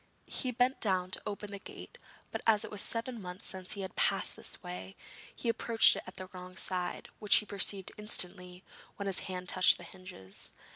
He bent down to open the gate, but as it was seven months since he had passed that way he approached it at the wrong side, which he perceived instantly when his hand touched the hinges.